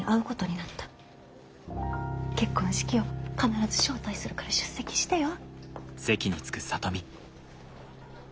結婚式よ必ず招待するから出席してよ。